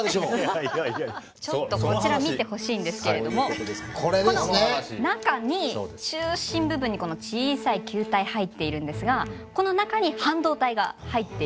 ちょっとこちら見てほしいんですけれどもこの中に中心部分にこの小さい球体入っているんですがこの中に半導体が入っています。